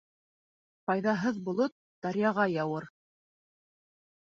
Файҙаһыҙ болот даръяға яуыр.